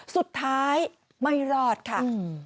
สุดท้ายไม่รอดค่ะ